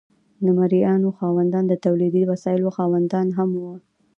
د مرئیانو خاوندان د تولیدي وسایلو خاوندان هم وو.